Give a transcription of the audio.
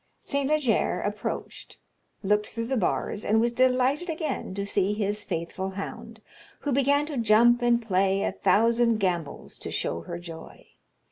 St. Leger approached, looked through the bars, and was delighted again to see his faithful hound, who began to jump and play a thousand gambols to show her joy.